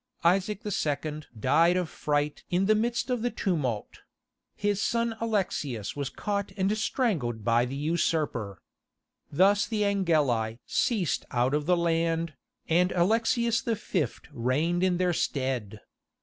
Isaac II. died of fright in the midst of the tumult; his son Alexius was caught and strangled by the usurper. Thus the Angeli ceased out of the land, and Alexius V. reigned in their stead.